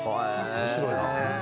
「面白いな」